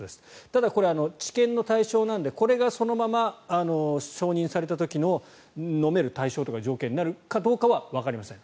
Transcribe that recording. ただ、これ治験の対象なのでこれがそのまま承認された時の飲める対象とか条件になるかどうかはわかりません。